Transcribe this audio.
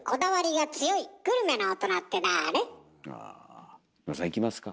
あキムラさんいきますか？